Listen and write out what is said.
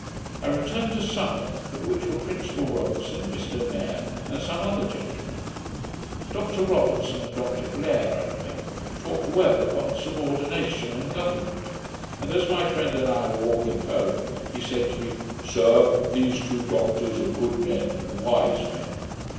I returned to supper, at which were Principal Robertson, Mr Nairne, and some other gentlemen. Dr Robertson and Dr Blair, I remember, talked well upon subordination and government; and, as my friend and I were walking home, he said to me, 'Sir, these two doctors are good men, and wise men.'